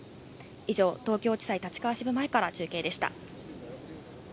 以上、東京地裁立川支部前から中継でした。